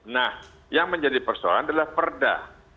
nah yang menjadi persoalan adalah perda